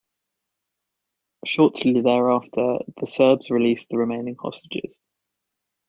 Shortly thereafter, the Serbs released the remaining hostages.